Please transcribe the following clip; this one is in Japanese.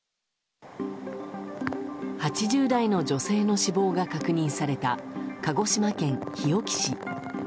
８０代の女性の死亡が確認された鹿児島県日置市。